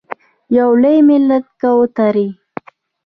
یو لوی ملت کوترې…